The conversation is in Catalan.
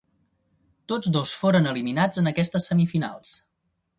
Tots dos foren eliminats en aquestes semifinals.